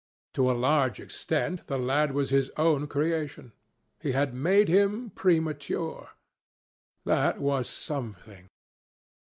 To a large extent the lad was his own creation. He had made him premature. That was something.